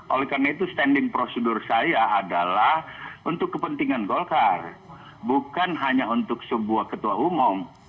oleh karena itu standing procedure saya adalah untuk kepentingan golkar bukan hanya untuk sebuah ketua umum